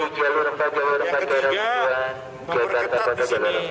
yang ketiga memperketat di sini